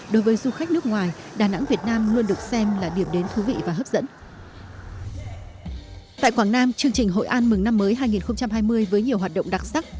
tại quảng nam chương trình hội an mừng năm mới hai nghìn hai mươi với nhiều hoạt động đặc sắc